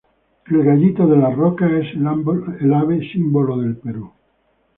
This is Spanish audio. El gallito de las rocas es el ave símbolo de Perú.